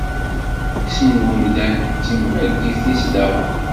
Isem n umdan d timagit-is daɣen.